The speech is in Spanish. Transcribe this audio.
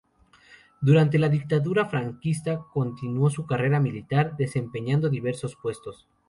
Durante la Dictadura franquista continuó su carrera militar, desempeñando diversos puestos.